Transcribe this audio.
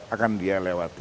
akan dia lewati